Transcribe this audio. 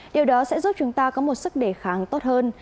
điều đó sẽ giúp chúng ta có một sức đề kháng tốt hơn